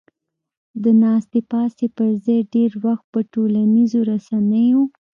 د ناستې پاستې پر ځای ډېر وخت په ټولنیزو رسنیو